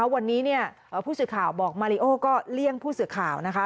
วันนี้ผู้สื่อข่าวบอกมาริโอก็เลี่ยงผู้สื่อข่าวนะคะ